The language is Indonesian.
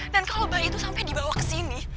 dan kalau bayi itu sampai dibawa ke sini